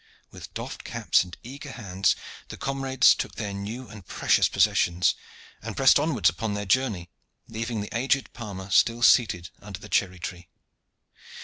With doffed caps and eager hands, the comrades took their new and precious possessions, and pressed onwards upon their journey, leaving the aged palmer still seated under the cherry tree.